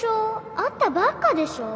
会ったばっかでしょ？